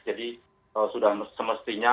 jadi sudah semestinya